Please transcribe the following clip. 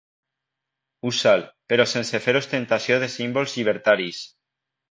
Usa'l, però sense fer ostentació de símbols llibertaris.